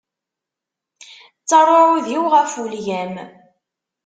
Ttaṛ uɛudiw ɣef ulgam.